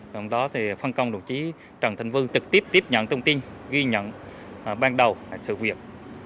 trong đó thì phân công đồng chí trần thanh vương trực tiếp tiếp nhận thông tin ghi nhận ban đầu sự việc